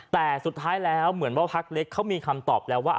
แต่สุดท้ายแล้วเหมือนว่าพักเล็กเขามีคำตอบแล้วว่า